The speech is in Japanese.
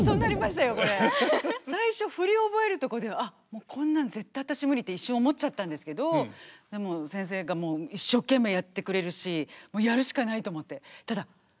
最初振りを覚えるとこで「あっこんなん絶対私無理」って一瞬思っちゃったんですけどでも先生がもう一生懸命やってくれるしもうやるしかないと思って。